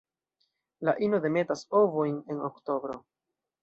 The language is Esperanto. La ino demetas ovojn en oktobro.